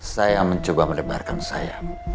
saya mencoba menebarkan saya